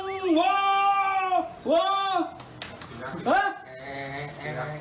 มึงเลย